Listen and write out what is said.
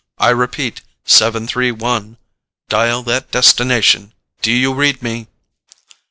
I repeat, seven three one. Dial that destination. Do you read me?"